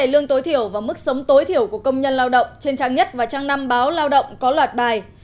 lương tối thiểu và mức sống tối thiểu của công nhân lao động trên trang nhất và trang năm báo lao động có loạt bài